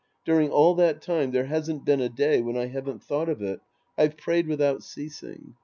During all that time, there hasn't been a day when I haven't thought of it. I've prayed without ceasing.